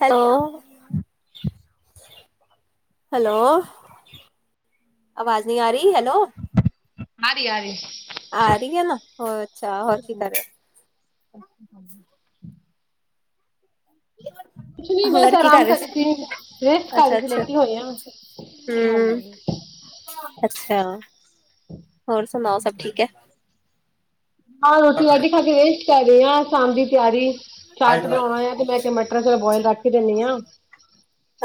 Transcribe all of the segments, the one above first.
Hello hello hello, ਆਵਾਜ਼ ਨਹੀਂ ਆ ਰਹੀ, ਹੈਲੋ ਆ ਰਹੀ, ਆ ਰਹੀ ਆ ਰਹੀ ਹੈ ਨਾ, ਹੋਰ ਅੱਛਾ ਹੋਰ ਕੀ ਕਰ ਰਹੇ? ਕੁਛ ਨਹੀਂ ਬਸ ਹੋਰ ਕੀ ਕਰ ਆਰਾਮ ਰਹੇ ਕਰਦੀ ਸੀ, ਰੇਸਟ ਕਰ ਅੱਛਾ ਰੀ ਸੀ, ਅੱਛਾ ਲੇਟੀ ਹੋਈ ਹਾਂ। ਹਮ ਹਾਂਜੀ। ਅੱਛਾ, ਹੋਰ ਸੁਣਾਓ ਸਭ ਠੀਕ ਹੈ। ਹਾਂ ਰੋਟੀ ਵਟੀ ਖਾ ਕੇ ਰੇਸ਼ਟ ਕਰ ਰਹੀ ਹਾਂ, ਸ਼ਾਮ ਦੀ ਤਿਆਰੀ ਚਾਟ ਬਣਾਉਣਾ ਆ ਤੇ ਮੈਂ ਕਿਹਾ ਮਟਰ ਚਲ ਬੋਇਲ ਰੱਖ ਹੀ ਦਿੰਦੀ ਹਾ।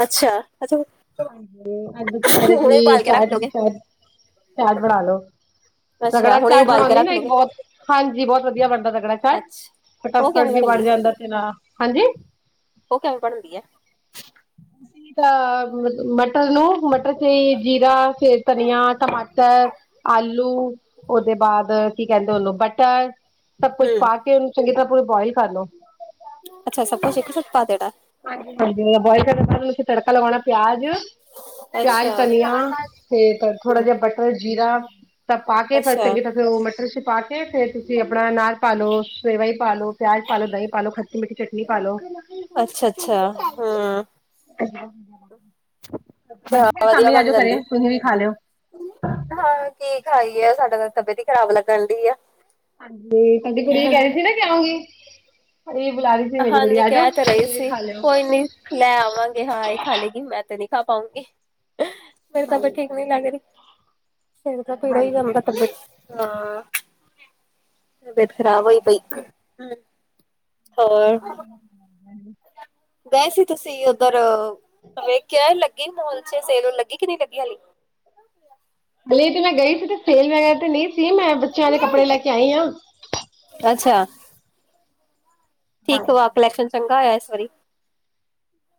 ਅੱਛਾ। ਅੱਛਾ ਹਾਂਜੀ ਕੀ ਕਰ ਰਹੇ ਹੁਣੇ ਜੀ? ਉਬਾਲ ਕੇ ਚਾਟ ਰੱਖ ਦੀ ਲੋਗੇ ਤਿਆਰੀ ਚਾਟ ਬਣਾ ਲੋੋ। ਅੱਛਾ ਰਗੜਾ ਹੁਣੇ ਚਾਟ ਉਬਾਲ ਕੇ ਬਨਾਉਦੀ ਰੱਖ ਨਾ ਇੱਕ ਲੋਗੇ ਬਹੁਤ, ਹਾਂਜੀ ਬਹੁਤ ਵਧੀਆ ਬਣਦਾ ਰਗੜਾ ਚਾਟ। ਅੱਛਾ ਉਹ ਫਟਾਫਟ ਕਿਵੇਂ ਵੀ ਬਣਦੀ ਬਨ ਹੈ? ਜਾਂਦਾ ਤੇ ਨਾਲ, ਹਾਂਜੀ ਉਹ ਕਿਵੇਂ ਬਨਦੀ ਏ? ਅਸੀ ਤਾਂ ਮਟਰ ਲੋ। ਮਟਰ ਚੇ ਜੀਰਾ ਫੇਰ ਧਨੀਆ, ਟਮਾਟਰ, ਆਲੂ ਉਹਦੇ ਬਾਅਦ, ਕੀ ਕਹਿੰਦੇ ਉਹਨੂੰ ਬਟਰ ਸਭ ਕੁਛ ਹਮ ਪਾ ਕੇ ਉਹਨੂੰ ਚੰਗੀ ਤਰ੍ਹਾਂ ਪੂਰੀ ਬੋਆਇਲ ਕਰ ਲੋ। ਅੱਛਾ ਸਭ ਕੁਛ ਇੱਕ ਸਾਥ ਪਾ ਦੇਣਾ ਹਾਂਜੀ ਹਾਂਜੀ ਬੋਇਲ ਕਰਨ ਤੋ ਬਾਦ ਔਦੇ ਚ ਤੜਕਾ ਲਗਾਉਣਾ ਪਿਆਜ਼ ਅੱਛਾ ਪਿਆਜ, ਧਨੀਆ ਤੇ ਥੋੜਾ ਹੂੰ, ਜਿਹਾ ਬਟਰ ਜੀਰਾ ਤਾਂ ਪਾ ਕੇ ਫੇਰ ਅੱਛਾ ਚੰਗੀ ਤਰ੍ਹਾਂ ਉਹ ਮਟਰ ਚ ਪਾ ਕੇ, ਫੇਰ ਤੁਸੀਂ ਆਪਣਾ ਨਾਲ ਪਾ ਲੋ, ਸੇਵਈ ਪਾ ਲੋ, ਪਿਆਜ ਪਾ ਲੋ, ਦਹੀਂ ਪਾ ਲੋ ਖੱਟੀ- ਮਿੱਠੀ ਚਟਨੀ ਪਾ ਲੋ ਹੂੰ [inaudible] ਅੱਛਾ, ਆਜੋ ਫਿਰ ਵਧੀਆ ਸ਼ਾਮੀ ਬਣ ਆਜੋ ਜਾਂਦੀ। ਘਰੇ ਤੁਸੀਂ ਵੀ ਖਾ ਲਿਓ ਬਨਾ ਕੇ ਖਾਈ ਕੀ ਆ ਸਾਡਾ ਤਾਂ ਤਬੀਅਤ ਹੀ ਖਰਾਬ ਲੱਗਣ ਡਈ ਆ। ਹਾਂਜੀ ਤੁਹਾਡੀ ਕੁੜੀ ਕਹਿ ਰਣੀ ਸੀ ਨਾ, ਕਿ ਆਉਂਗੀ। ਇਹ ਬੁਲਾ ਰਹੀ ਸੀ ਮੇਰੀ ਹਾਂਜੀ ਗੁੜੀਆ ਆਜੋ ਕਹਿ ਤਾਂ ਰਹੀ ਤੁਸੀਂ ਵੀ ਸੀ। ਖਾ ਲਿਓ ਕੋਈ ਨੀ ਲੈ ਆਵਾਂਗੇ, ਹਾਂ ਏ ਹੀ ਖਾ ਲਏਗੀ, ਮੈਂ ਤੇ ਨੀ ਖਾ ਪਾਊਂਗੀ ਮੇਰੀ ਤਬੀਅਤ ਠੀਕ ਨਹੀਂ ਲੱਗ ਰਹੀ। ਸੜ ਤਾਂ ਪੀੜ ਹੀ ਹ ਤਬੀਅਤ ਖਰਾਬ ਹੋਈ ਪਈ ਹੋਰ ਹਾਂਜੀ ਗਏ ਸੀ ਤੁਸੀ ਉੱਧਰ ਮੈਂ ਕਿਹਾ ਲੱਗੀ ਮਾੱਲ ਚ ਸੇਲ, ਲੱਗੀ ਕਿ ਨਹੀਂ ਲੱਗੀ ਹਲੀ? ਹਲੇ ਤੇ ਮੈਂ ਗਈ ਸੀ ਤੇ ਸੇਲ ਵੇਲ ਨਹੀਂ ਸੀ ਮੈਂ ਬੱਚਿਆਂ ਦੇ ਕੱਪੜੇ ਲੈ ਕੇ ਆਈ ਹਾਂ। ਕੀ ਕਵਾ ਕਲੈਕਸ਼ਨ ਚੰਗਾ ਹੋਇਆ ਇਸ ਵਾਰੀ।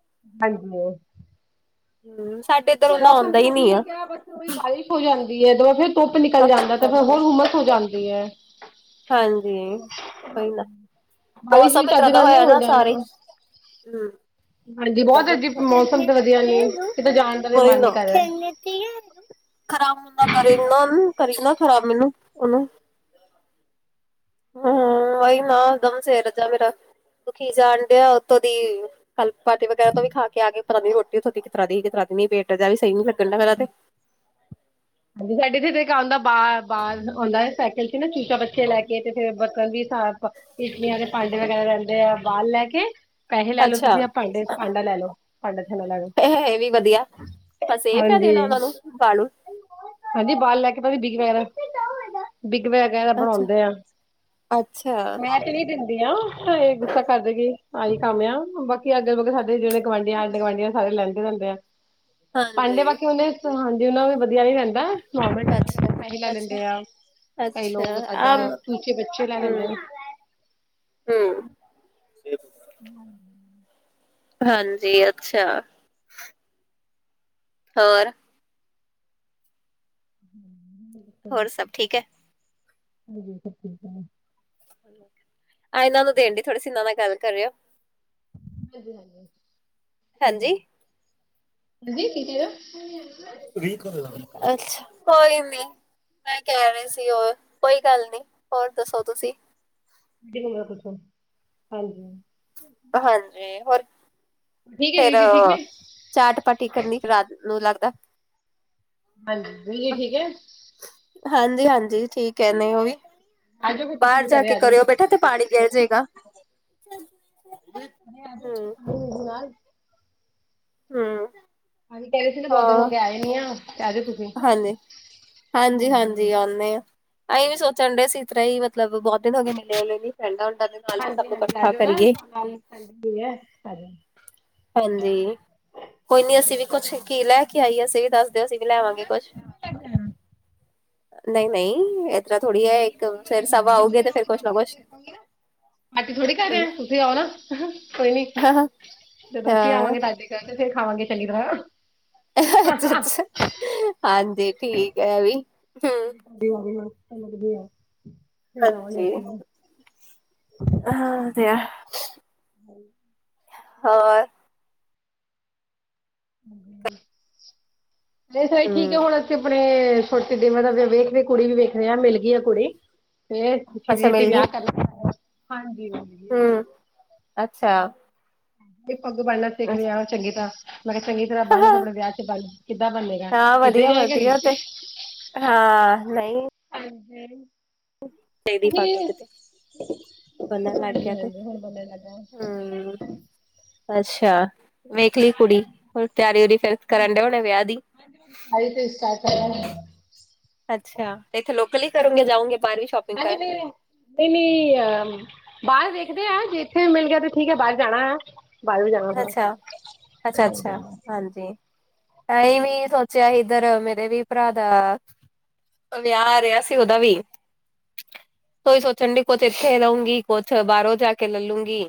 ਹਾਂਜੀ। ਹਮ। ਸਾਡੇ ਇੱਧਰ ਓਨਾ ਮੌਸਮ ਆਉਂਦਾ ਵੀ ਹੀ ਨੀ ਆ ਠੀਕ ਹੈ। ਬਸ ਵੀ ਬਾਰਿਸ਼ ਹੋ ਜਾਂਦੀ। ਫੇਰ ਧੁੱਪ ਨਿਕਲ ਸਭ ਜਾਂਦਾ। ਤੇ ਚਿੱਕੜ ਫੇਰ ਦੇ ਹੋਰ ਹੁੰਮਸ ਹੋ ਜਾਂਦੀ ਹੈ। ਹਾਂਜੀ ਕੋਈ ਨਾ। ਬਾਰਿਸ਼ ਵੀ ਮੌਸਮ ਚੱਜ ਇੱਤਰਾ ਦਾ ਨਾਲ ਨਹੀਂ ਹੋਇਆ ਹੋਣ ਨਾ ਡਿਆ ਸਾਰੇ ਹੀ ਹਾਂਜੀ ਹੰਮ ਬਹੁਤ ਅਜੀਬ ਮੌਸਮ ਤੇ ਵਧੀਆ ਨਹੀਂ ਕਿਤੇ ਜਾਣ ਦਾ ਵੀ ਮਨ ਨੀ ਕਰ ਰਿਹਾ [unintelligible] ਖਰਾਬ ਹੁੰਦਾ ਕਰੀ ਨਾ ਉਹਨੂੰ ਕਰੀ ਨਾ ਖਰਾਬ ਮੈਨੂੰ ਉਹਨੂੰ ਹਮ ਵਹੀ ਨਾ ਦਮ ਸੇ ਰਜਾ ਮੇਰਾ। ਦੁਖੀ ਜਾਣਦੇ ਆ ਉੱਤੋਂ ਦੀ ਕਲ ਪਾਰਟੀ ਵਗੈਰਾ ਤੋਂ ਵੀ ਖਾ ਕੇ ਆ ਕੇ ਤਾਂ ਦੀ ਰੋਟੀ ਉੱਥੋਂ ਦੀ ਕਿਸ ਤਰ੍ਹਾਂ ਦੀ ਕਿ ਤਰ੍ਹਾਂ ਨਹੀ ਪੇਟ ਜਿਹਾ ਵੀ ਨਹੀਂ ਸਹੀ ਲੱਗਣ ਦਿਆ ਮੇਰਾ ਤੇ। ਹਾਂਜੀ ਸਾਡੇ ਇਥੇ ਇੱਕ ਆਉਂਦਾ ਬ ਬ ਆਉਂਦਾ ਸਾਈਕਲ ਚ ਨਾ ਚੂਚਾ ਬਾ ਪਥੇ ਲੈ ਕੇ ਤੇ ਫਰ ਬਰਤਨ ਦੀ ਇਚਲੀਆਂ ਦੇ ਭਾਂਡੇ ਵਗੈਰਾ ਰਹਿੰਦੇ ਆ ਬਾਲ ਲੈ ਕੇ ਪੈਹ ਲੈ ਲਓ ਅੱਛਾ ਤੁਸੀਂ। ਭਾਂਡੇ- ਭਾਂਡਾ ਲੈ ਲਓ ਭਾਂਡਾ, ਟਾਂਡਾ ਲੈ ਲੋ। ਇਹ ਵੀ ਵਧੀਆ ਬਸ ਇ ਫੇਦੇ ਉਹਨਾ ਨੂੰ ਬਾਲੂ ਹਾਂਜੀ ਬਾਲ ਲੈ ਕੇ ਭਾਵੇ ਵਿਗ ਵਗੈਰਾ ਬਿੱਗ ਵਗੈਰਾ ਅੱਛਾ ਬਣਾਉਂਦੇ ਆ ਅੱਛਾ ।ਮੈਂ ਤੇ ਨਹੀਂ ਦੀ ਇਹ ਗੁੱਸਾ ਕਰ ਦੇ ਕੇ ਆਹੀ ਕੰਮ ਆ ਬਾਕੀ ਅੱਗੇਗੇ ਸਾਡੇ ਜਿਹੜੇ ਗੁਆਂਢੀਆਂ, ਆਢੇ, ਗੁਆਂਢੀਆਂ ਸਾਰੇ। ਲੈਂਦੇ ਰਹਿੰਦੇ ਆ ਭਾਂਡੇ ਹਾਂਜੀ ਬਾਕੀ ਉਹਨੇ ਹਾਂਜੀ ਉਹਨਾ ਵੀ ਵਧੀਆ ਨੀ ਰਹਿੰਦਾ। ਅੱਛਾ ਅੱਛਾ [unintelligible] [unintelligible] ਕਈ ਅੱਛਾ ਲੋਕ ਤਾਦਾ ਆਮ ਚੂਚੇ ਬੱਚੇ ਲੈ ਲੈਂਦੇ ਹਮ ਆ। ਹਮ। [inaudible] [inaudible] ਹਾਂਜੀ ਅੱਛਾ। ਹੋਰ। [inaudible] [inaudible] ਹੋਰ ਸਭ ਠੀਕ ਹੈ। [inaudible] [inaudible] ਆਹ ਇਹਨਾਂ ਨੂੰ ਦੇਣ ਦੀ ਥੋੜੀ ਸੀ ਇਹਨਾਂ ਨਾਲ ਗੱਲ ਕਰਿਅਔ। ਹ ਹਾਂਜੀ ਹਾਂਜੀ ਕੀ ਕਹਿ ਰਹੋ। [unintelligible] [unintelligible] ਅੱਛਾ ਕੋਈ ਨੀ। ਮੈਂ ਕਹਿ ਰਹੀ ਸੀ ।ਉਹ ਕੋਈ ਗੱਲ ਨੀ ਹੋਰ ਦੱਸੋ ਤੁਸੀਂ। ਹਾਂਜੀ। ਹਾਂਜੀ ਹੋਰ। ਠੀਕ ਹੈ ਫੇਰ ਵੀਰ ਜੀ ਠੀਕ ਨੇ ਚਾਟਪਾਟੀ ਕਰਨੀ ਰਾਤ ਨੂੰ ਲੱਗਦਾ। ਹਾਂਜੀ ਵੀਏ ਠੀਕ ਹੈ। ਹਾਂਜੀ ਹਾਂਜੀ ਠੀਕ ਹੈ ਨਹੀਂ ਉਹ ਵੀ। ਜਾਓ ਫਿਰ ਤੁਸੀਂ ਬਾਹਰ ਵੀ ਜਾ ਘਰੇ ਕੇ ਆ ਜਾਓ। ਕਰਿਓ ਬੇਟਾ ਇੱਥੇ ਪਾਣੀ ਗਿਰ ਜਾਇਗਾ। [unintelligible] [unintelligible] ਹਮ। ਹਾਂਜੀ ਐਵੇਂ ਕਹਿ ਰਹੇ ਸੀ ।ਬਹੁਤ ਦਿਨ ਹੋ ਗਏ ਆਏ ਨੀਂ ਆ। ਤੇ ਆ ਜਾਓ ਤੁਸੀਂ। ਹਾਂਜੀ, ਹਾਂ, ਜੀ ਹਾਂ, ਹਾਂਜੀ। ਜੀ ਆਉਂਨੇ ਹਾਂ। ਅਸੀਂ ਵੀ ਸੋਚਣ ਦੇ ਇਸ ਤਰ੍ਹਾਂ ਹੀ ਮਤਲਬ ਬਹੁਤ ਦਿਨ। ਦੇ ਨਾਲ ਵੀ ਸਭ ਹਾਂਜੀ, ਨੂੰ ਹਾਂਜੀ, ਆ ਇਕੱਠਾ ਜਾਓ ਕਰੀਏ ਨਾ। ਹਾਂਜੀ ਕੋਈ ਨੀ ਅਸੀਂ ਵੀ ਕੁਛ ਕੀ ਲੈ ਕੇ ਆਈਏ। ਅਸੀਂ ਵੀ ਦੱਸ ਦਿਓ ਅਸੀਂ ਵੀ ਲੈਵਾਂਗੇ ਕੁਛ। ਨਹੀਂ -ਨਹੀਂ। ਥੋੜ੍ਹੀ ਹੈ ਇੱਕ ਫਿਰ ਸਵਾ ਆਊਗੇ ਤੇ ਫਿਰ ਕੁਛ ਨਾ ਕੁਛ। ਅਜ ਥੋੜੀ ਕਰਹੇ ਹੂੰ। ਆ ਤੁਸੀਂ ਆਓ ਨਾ ਕੋਈ ਨੀ ਹਾਂ ਜਦੋਂ ਅਸੀਂ ਆਵਾਂਗੇ ਤਾਜੀ ਕਰ। ਤੇ ਫਿਰ ਖਾਵਾਂਗੇ ਚੰਗੀ ਤਰਾਂ। ਅ ਅੱਛਾ ਹਾਂਜੀ ਠੀਕ ਹੈ ਵੀ। ਹੂੰ ਲੱਦੀ ਆ। ਫੇਰ ਆਵਾਂਗੇ ਹਾਂਜੀ ਅਸੀਂ ਵੀ। ਹ ਵਧ। ਹਾਂ। ਹੋਰ। ਇਹ ਸਾਰੇ ਠੀਕ ਹੈ ਹੂੰ ਹੁਣ ਅਸੀੇ ਆਪਣੇ। ਛੋਟੇ ਜ ਮਤਲਬ ਵੇਖ ਰਹੀ ਕੁੜੀ ਵੀ ਵੇਖ ਰਹਾ ਮਿਲ ਗਈ ਆ ਕੁੜੀ ਫਿਰ ਛੇਤੀ ਅੱਛਾ -ਛੇਤੀ ਮਿਲ ਗਈ ਵਿਆਹ ਕਰ ਹਾਂਜੀ। ਹੂੰ ਅੱਛਾ। ਪੱਗ ਬਣ੍ਹਨਾ ਸਿੱਖਣੀ ਅੱਛਾ। ਆ ਚੰਗੀ ਤਰ੍ਹਾਂ ਮੈਂ ਕਿਹਾ ਚੰਗੀ ਤਰ੍ਹਾਂ ਬਣ ਆਪਣੇ ਵਿਆਹ ਚ ਬਣ। ਕਿੱਦਾਂ ਬੰਨੇਗਾ ਹਾਂ ਕਿੱਦਾਂ ਜਾਏਗਾ ਵਧੀਆ-ਵਧੀਆ ਕੀ। ਤੇ ਹਾਂ ਹਾਂਜੀ। ਤੇਰੀ ਪਗ ਹਾਂਜੀ । ਬਨਣ ਲੱਗ ਗਿਆ ਤੇ ਹਾਂਜੀ ਹੁਣ ਬੰਨਣ ਲੱਗਾ। ਹਮ ਅੱਛਾ। ਵੇਖ ਲਈ ਕੁੜੀ ਹੁਣ ਤਿਆਰੀ ਉਰੀ ਫਿਰ ਕਰਨਦੇ ਉਹਨੇ ਵਿਆਹ ਦੀ। ਆਈ ਤੇ ਸਾਰਟ। ਅੱਛਾ ਤੇ ਇੱਥੇ ਲੋਕਲ ਹੀ ਕਰੋਂਗੇ ਜਾਊਗੇ ਨਹੀਂ ਨਹੀਂ ਨਹੀਂ ਅ ਬਾਹਰ ਦੇਖਦੇ ਆ ਜੇ ਇੱਥੇ ਮਿਲ ਗਿਆ ਤੇ ਠੀਕ ਹੈ ਬਾਹਰ ਜਾਣਾ ਹੈ ਬਾਹਰ ਵੀ ਜਾਣਾ ਥੋੜਾ ਅੱਛਾ ਅੱਛਾ ਅੱਛਾ ਹਾਂਜੀ ਅਂ ਵੀ ਸੋਚਿਆ ਸੀ ਇੱਧਰ ਮੇਰੇ ਵੀ ਭਰਾ ਦਾ ਵਿਆਹ ਰਿਹਾ ਸੀ ਉਹਦਾ ਵੀ ਸਈ ਸੋਚਣ ਡੀ ਕੁਛ ਇੱਥੇ ਰਹੂੰਗੀ ਕੁਛ ਬਾਹਰੋਂ ਜਾ ਕੇ ਲੈ ਲੂੰਗੀ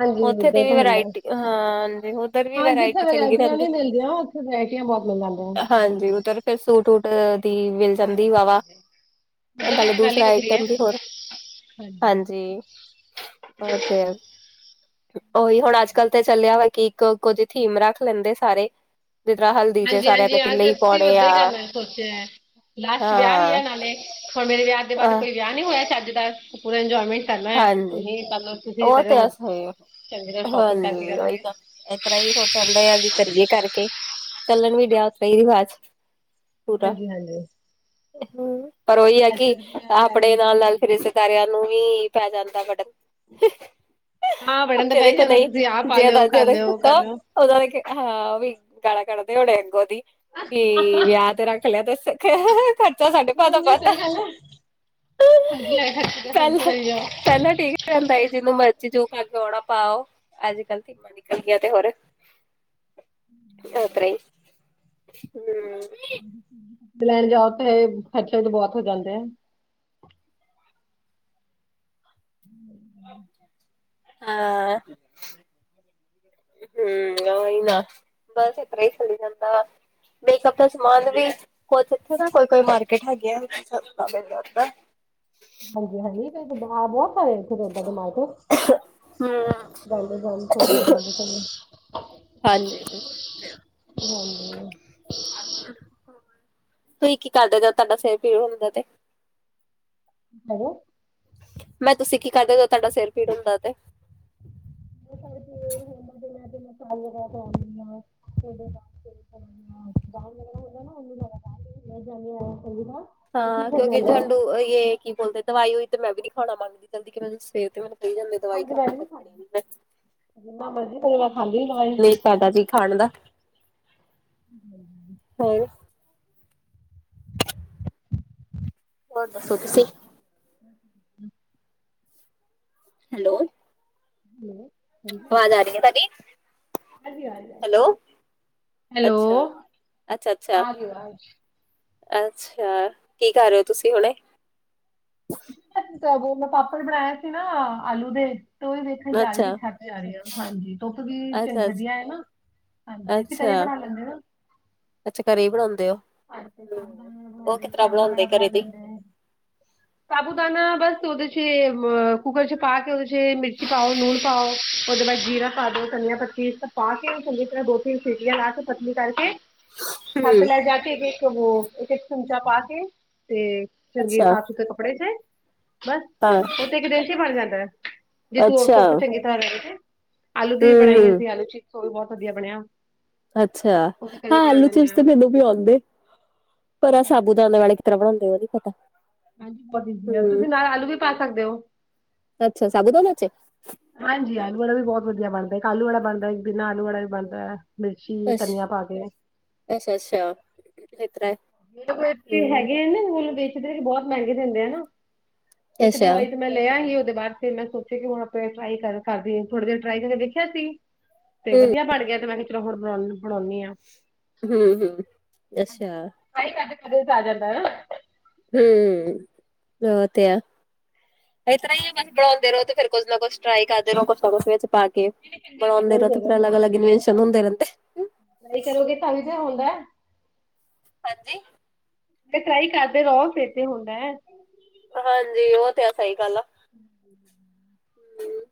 ਹਾਂਜੀ ਉੱਥੇ ਉੁਧਾਂ ਦੀ ਹੀ ਵੀ ਤਾਂ ਹੁੰਦਾ ਵਰਾਇਟੀ, ਹਾਂਜੀ ਉਧਰ ਵੀ ਹਾਂ ਜਿੱਥੇ ਵਰਾਇਟੀ ਚੰਗੀ ਵਰਾਇਟੀਆਂ ਰਹਿੰਦੀ ਨਹੀਂ ਮਿਲਦੀਆਂ ਉੱਥੇ ਵਰਾਇਟੀਆਂ ਬਹੁਤ ਮਿਲ ਜਾਂਦੀਆਂ ਹਾਂਜੀ ਉਧ ਫ ਫਰੂਟ ਦੀ ਮਿਲ ਜਾਂਦੀ ਵਾ ਹਾਂਜੀ ਵ ਹਾਂਜੀ ਉਦਾਂ ਨਾਲੇ ਦੀ ਗੱਲ ਹੀ ਦੂਸਰਾ ਵੱਖਰੀ ਹੈ ਆਈਟਮ ਵੀ ਹੋਰ ਹਾਂਜੀ ਉਹ ਤੇ ਉਓਹੀ ਹੁਣ ਅੱਜ ਕੱਲ ਤੇ ਚੱਲਿਆ ਵਾ ਕਿ ਇੱਕ ਕੁਝ ਥੀਮ ਰੱਖ ਲੈਂਦੇ ਸਾਰੇ ਜਿਸ ਤਰ੍ਹਾਂ ਹਲਦੀ ਚ ਹਾਂਜੀ ਸਾਰਿਆਂ ਨੇ ਹਾਂਜੀ ਅਹ ਪੀਲੇ ਹੀ ਪਾਉਣੇ ਅਸੀਂ ੱਦਾਂ ਆ ਹੀ ਕਰਨਾ ਸੋਚਿਆ ਹੈ ਲਾਸਟ ਵਿਆਹ ਵੀ ਹਾਂ ਆ ਨਾਲੇ ਹੁਣ ਮੇਰੇ ਵਿਆਹ ਦੇ ਅ ਬਾਅਦ ਕੋਈ ਵਿਆਹ ਨਹੀਂੀ ਹੋਇਆ ਸੀ ਅੱਜ ਦਾ ਪੂਰਾ ਇੰਜੋਏਮੈਂਟ ਕਰਨਾ ਹਾਂਜੀ ਤੁਸੀਂ ਮੰਲਓ ਤੁਸੀਂ ਉਹ ਤੇ ਕਰਿਓ ਮ ਸਹੀ ਹਾਂਜੀ ਉਹੀ ਤਾਂ ਇਸ ਤਰ੍ਹਾਂ ਹੀ ਸੋਚਣ ਡ ਆ ਕਿ ਕਰੀਏ ਕਰਕੇ ਚੱਲਣ ਵੀ ਡਿਆ ਉਤਰਾ ਹੀ ਰਿਵਾਜ਼ ਹਾਂਜੀ ਹਾਂਜੀ ਹਮ ਪਰ ਉਹੀ ਹੈ ਅੱਜ ਕਿ ਕੱਲ ਪੂਰਾ ਲੈ ਆਪਣੇ ਲੈਂਦੇ ਆ ਨਾਲ ਨਾਲ ਫਿਰ ਹਾਂਜੀ ਸਕਾਰਿਆਂ ਨੂੰ ਵੀ ਪੈ ਜਾਂਦਾ ਵਡ ਹ ਜਿਹਦੇ ਕੋਲ ਨਹੀਂ ਲਿਓ ਜਿਹਦਾ ਕਰ ਜਿਹਦੇ ਲਿਓ ਉਹ ਕਰ ਕੋਤਾ ਲਿਓ ਉਹਨਾਂ ਨੇ ਹਾਂ ਵੀ ਗਾਲ ਕੱਢਦੇ ਹੋਣੇ ਅੱਗੋਂ ਦੀ ਕੀ ਵਿਆਹ ਤੇ ਰੱਖ ਲਿਆ ਤੇ ਸਾਡੇ ਭ ਤੋਂ ਹਾਂਜੀ ਪਤਾ ਸਹੀ ਗੱਲ ਹੈ ਲੈ ਖਰਚੇ ਪਹਿਲਾਂ। ਜਾਓ, ਪਹਿਲਾਂ ਠੀਕ ਰਹਿੰਦਾ ਸੀ ਜਿਹਨੂੰ ਮਰਜ਼ੀ ਜੋੂ ਖ ਜੋੋਣਾ ਪਾਓ ਅੱਜ ਕੱਲ ਧੀਮਾਂ ਨਿਕਲਦੀਆਂ ਤੇ ਹੋਰ ਸਤ ਹਮ ਲੈਣ ਜਾਓ ਤਾਂ ਇਹ ਖਰਚੇ ਵੀ ਬਹੁਤ ਹੋ ਜਾਂਦੇ ਆ ਹਮ ਹਾਂ ਹਮ ਉਹਹੀ ਨਾ ਬਸ ਇਸ ਤਰ ਹੀ ਚੱਲਲੀ ਜਾਂਦਾ ਵਾ ਮੇਕਅਪ ਦਾ ਸਮਾਨ ਵੀ ਕੁਥੇ ਨਾ ਕੋਈ ਕੋਈ ਮਾਰਕੀਟ ਹੈਗੀ ਮਿਲ ਹਾਂਜੀ ਹਾਂਜੀ ਬਹੁਤ ਸਾਰੇ ਇੱਥੇਡ ਦਿਮਾਗ ਤੋਂ ਹੂੰ ਹਾਂਜੀ [unintelligible] ਹਾਂ [inaudible] ਤੁਂ ਹੀ ਕੀ ਕਰਦੇ ਜਦ ਤੁਆਡਾ ਸਿਰ ਪੀੜ ਹੁੰਦੇਆ ਤੇ? [unintelligible] ਮੈਂ ਤੁਸੀਂ ਕੀ ਕਰਦੇ ਜਦ ਤੁਆਡਾ ਸਿਰ ਪੀੜ ਹੁੰਦੈ ਤੇ? [unintelligible] [unintelligible] ਤੇ ਹਾਂ। ਠੀਕ ਹੋ ਕੇਓਂ ਕੇ ਜਾਂਦਾ ਝੰਡੂ ਅ ਏ ਕੀ ਬੋਲਦੇ, ਦਵਾਈ ਹੋਈ ਤੇ ਮੈਂ ਵੀ ਨੀ ਖਾਣਾ ਮੰਗਦੀ ਜਲਦੀ ਕਿ ਮੈਨੂੰ ਸੇਤ ਤੇ ਮੈ [unintelligible] ਜਿੰਨਾ ਮਰਜੀ ਕਜ ਮੈਂ ਖਾਂਦੀ ਦਵਾਈ ਨਹੀਂ ਫਾਇਦਾ ਜੀ ਖਾਣ ਦਾ ਹੋਰ [unintelligible] ਹੋਰ ਦੱਸੋ ਤੁਸੀ? [inaudible] ਹੈਲੋ ਹੈਲੋ ਹਾਂਜੀ ਵਾਜ ਆ ਰੀ ਆ ਤਾਡੀ? ਹਾਂਜੀ ਆ ਆਰੀ, ਐ ਆਰੀ ਐ। ਅੱਛਾ ਹੈਲੋ ਅੱਛਾ-ਕੀ ਕਰ ਰਿਓ ਤੁਸੀਂ ਹੁਣੇ? ਮੈਂ ਪਾਪੜ ਬਣਾਇਆ ਸੀ ਨਾ ਆਲੂ ਦੇ ਉਹੀ ਦੇਖਣ ਜਾ ਰਹੀ ਸੀ ਅੱਛਾ, ਛੱਤ ਜਾ ਰਹੀ ਆਂ ਧੁੱਪ ਵੀ [unintelligible] ਅੱਛਾ, ਅੱਛਾ, ਵਧੀਆ ਨਾ। ਹਾਂਜੀ, ਅਸੀਂ ਘਰੇ ਅੱਛਾ, ਬਣਾ ਲੈਂਨੇ ਆ ਨਾ ਅੱਛਾ ਘਰੇ ਈ ਹਾਂਜੀ, ਸਾਬੂਦਾਨਾ ਵਾਲਾ ਬਣਾਂਦੇ ਕਿਸ ਤਰ੍ਹਾਂ ਚਾਵਲ ਬਣਾਉਂਦੇ ਵਾਲਾ਼ ਬਣਾ ਘਰੇ ਤੁਹੀ? ਲੈਂਦੇ। ਸਾਬੂ ਦਾਨਾ ਬਸ ਓਦੇ ਚ ਅ ਕੁੱਕਰ ਚ ਪਾ ਕੇ, ਓਦੇ ਚ ਮਿਰਚੀ ਪਾਓ, ਨੂਣ ਪਾਓ ਓਦੇ ਬਾਦ ਜੀਰਾ ਪਾ ਦੋ ਧਨੀਆਂ ਪੱਤੀ ਏ ਸਬ ਪਾਕੇ, ਚੰਗੀ ਤਰਾ ਦੋ, ਤਿੰਨ ਸੀਟੀਆਂ ਲਾ ਕੇ, ਪਤਲੀ ਕਰਕੇ ਛੱਤ ਤੇ ਹੂੰ, ਲੈ ਜਾ ਕੇ [unintelligible] ਇੱਕ-ਇੱਕ ਚਮਚਾ ਪਾ ਕੇ ਤੇ ਚੰਗੇ ਅੱਛਾ, ਸਾਫ਼ ਸੁਥਰੇ ਕੱਪੜੇ ਚ ਬਸ ਹਾਂ, ਓਹ ਤੇ ਇੱਕ ਦਿਨ ਚ ਈ ਬਣ ਜਾਂਦਾ ਜੇ ਧੂ ਅੱਛਾ, ਧੂੱਪ ਚੰਗੀ ਤਰਾ ਰਵੇ ਤੇ ਆਲੂ ਦੀ ਵੀ ਬਣਾਈ ਹੂੰ-ਹੂੰ, ਅਸੀਂ, ਆਲੂ [unintelligible] ਵੀ ਬੋਤ ਵਧੀਆ ਬਣਿਆ ਅੱਛਾ, ਉਹ ਵੀ ਹਾਂ ਕਦੇ ਬਣਾ ਆਲੂ ਲੈਂਦੇ ਚਿਪਸ ਤੇ ਹਾਂ ਮੈਨੂੰ ਵੀ ਆਉਂਦੇ, ਪਰ ਆ ਸਾਬੂ ਦਾਨ ਵਾਲੇ [unintelligible] ਹਾਂਜੀ ਬਹੁਤ ਇਜੀ ਆ ਹੂੰ, ਤੁਸੀਂ ਨਾਲ ਆਲੂ ਵੀ ਪਾ ਸਕ ਦਿਓ। ਅੱਛਾ ਸਾਬੂਦਾਨੇ ਚ, ਹਾਂਜੀ, ਆਲੂ ਵਾਲਾ਼ ਵੀ ਬੋਤ ਵਦੀਆ ਬਣਦਾ, ਇੱਕ ਆਲੂ ਵਾਲਾ਼ ਬਣਦਾ ਇਕ ਬਿਨਾਂ ਆਲੂ ਵਾਲਾ਼ ਵੀ ਬਣਦਾ। ਮਿਰਚੀ ਧਨੀਆ ਅੱਛਾ, ਪਾ ਕੇ। ਅੱਛਾ-ਅੱਛਾ ਇਸ ਤਰ੍ਹਾਂ ਮੇਰੇ ਕੋਲ ਏਥੇ ਹੂੰ, ਹੈਗੇ ਆ ਨਾ, ਓ ਜੋ ਵੇਚਦੇ ਨੇ ਬੋਤ ਮਹਿੰਗੇ ਦੇਦੇ ਆ ਨਾ ਤੇ ਇੱਕ ਅੱਛਾ, ਦਵਾਈ ਤੇ ਮੈਂ ਲਿਆਂਗੀ ਓਦੇ ਬਾਅਦ ਫਿਰ ਮੈਂ ਸੋਚਿਆ ਕੇ [unintelligible] ਥੋੜੀ ਦੇਰ ਟ੍ਰਾਈ ਕਰ ਕਰਕੇ ਦੇਖਿਆ ਸੀ। ਤੇ ਹੂੰ। ਵਧੀਆ ਬਣ ਗਿਆ, ਤੇ ਮੈਂ ਕਿਹਾ ਚੱਲੋ ਹੁਣ ਬਣਾ ਬਣਾਓਨੀ ਆਂ। ਹੂੰ, ਹੂੰ ਅੱਛਾ। [unintelligible] ਕਦੇ ਕਦੇ ਤਾਂ ਆ ਜਾਂਦਾ ਹੂੰ, ਐ ਤੇ ਐ ਇਸ ਤਰਾ ਈ ਐ, ਬਸ ਬਣਾਉਂਦੇ ਰਹੋ ਤੇ ਫੇਰ ਕੁਛ ਨਾ ਕੁੱਛ ਟਰਾਈ ਕਰਦੇ ਰਹੋ ਕੁਛ ਨਾ ਕੁਛ ਵਿੱਚ ਪਾ ਕੇ ਬਣਾਉਂਦੇ ਰਹੋ ਤੇ ਫਿਰ ਅਲੱਗ ਅਲੱਗ [unintelligible] ਹੁੰਦੇ ਰਹਿੰਦੇ। ਟ੍ਰਾਈ ਕਰੋਗੇ ਤਾਂ [unintelligible] ਹੁੰਦਾ। ਹਾਂਜੀ? ਤੇ ਟਰਾਈ ਕਰਦੇ ਰਓ ਫੇਰ ਤੇ ਹੁੰਦਾ। ਹਾਂਜੀ। ਓਤੇ ਆ ਸਈ ਗੱਲ ਆ।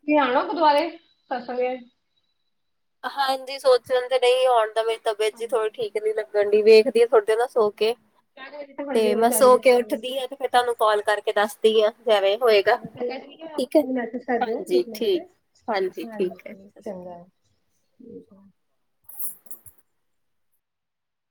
ਤੁਸੀ ਆਣਾ ਗੁਰਦੁਆਰੇ ਕੱਲ ਸਵੇਰੇ ਹਾਂਜੀ, ਸੋਚਣ ਤੇ ਡਈ ਆਂ ਹੁਣ ਤਾਂ ਮੇਰੀ ਤਬੀਅਤ ਜੀ ਥੋੜ੍ਹੀ ਠੀਕ ਨੀ ਲੱਗ ਮੰਡੀ ਵੇਖਦੀ ਆ ਥੋੜ੍ਹੇ ਦੇਰ ਨਾ ਸੋ ਕੇ, ਚਾਰ ਵਜੇ ਤੋਂ ਪੰਜ ਤੇ ਵਜੇ ਮੈਂ ਚਾਰ ਸੋ ਵਜੇ ਕੇ ਨਿਕਲੂੰਗੀ ਉੱਠਦੀ ਆ ਤੇ ਫਿਰ ਤੁਹਾਨੂੰ ਕਾਲ ਕਰਕੇ ਦੱਸਦੀ ਆ। ਜਿਵੇਂ ਹੋਏਗਾ [unintelligible] ਇੱਕ ਠੀਕ ਹੈ ਹਾਂਜੀ ਮਿੰਟ ਠੀਕ ਹਾਂਜੀ ਠੀਕ ਹੈ ਸਤਿ ਸ਼੍ਰੀ ਅਕਾਲ ਹਾਂਜੀ [unintelligible]